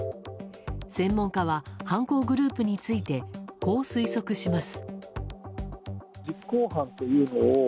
専門家は、犯行グループについてこう推測します。